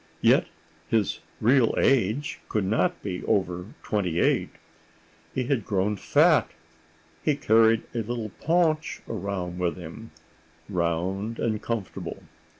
Yet his real age could not be over twenty eight!... He had grown fat. He carried a little paunch around with him, round and comfortable.